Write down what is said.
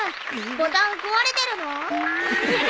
ボタン壊れてるの？